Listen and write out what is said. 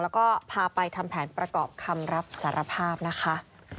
แล้วก็พาไปทำแผนประกอบคำรับสารภาพนะคะ